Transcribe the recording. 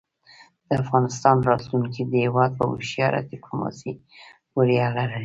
د افغانستان راتلونکی د هېواد په هوښیاره دیپلوماسۍ پورې اړه لري.